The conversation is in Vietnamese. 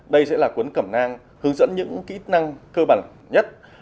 đây sẽ là cuốn cẩm nang hướng dẫn những kỹ năng cơ bản nhất